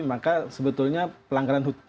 maka sebetulnya pelanggaran hukumnya